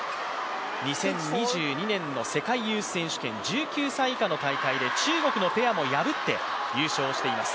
２０２２年の世界ユース選手権１９歳以下の大会で中国のペアも破って優勝しています。